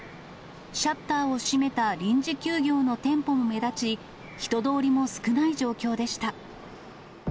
シャッターを閉めた臨時休業の店舗も目立ち、人通りも少ない状況でした。